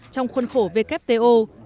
trong khuôn khổ wto